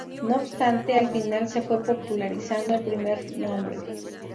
No obstante, al final se fue popularizando el primer nombre.